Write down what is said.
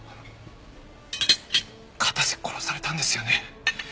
片瀬殺されたんですよね？